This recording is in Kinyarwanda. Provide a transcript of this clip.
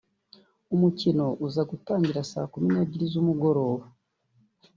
umukino uza gutangira Saa kumi n’ebyiri z’umugoroba